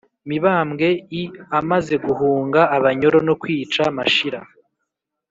mibambwe i amaze guhunga abanyoro no kwica mashira